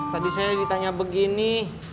tadi saya ditanya begini